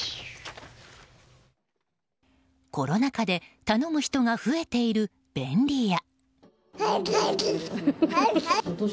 コロナ禍で頼む人が増えている便利屋。